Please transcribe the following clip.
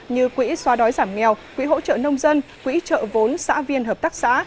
như quỹ xóa đói giảm nghèo quỹ hỗ trợ nông dân quỹ trợ vốn xã viên hợp tác xã